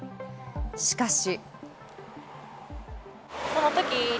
しかし。